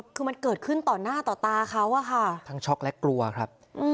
คือมันเกิดขึ้นต่อหน้าต่อตาเขาอะค่ะทั้งช็อกและกลัวครับ